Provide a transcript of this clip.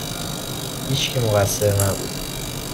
هیچکی مقصر نبود